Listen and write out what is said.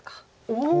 おお！